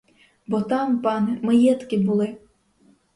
Бо там, пане, маєтки були!